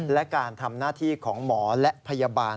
และการทำหน้าที่ของหมอและพยาบาล